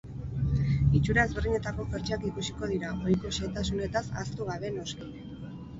Itxura ezberdinetako jertseak ikusiko dira, ohiko xehetasunetaz ahaztu gabe, noski.